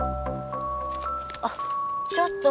あっちょっと。